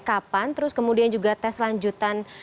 kapan terus kemudian juga tes lanjutan